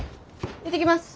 行ってきます。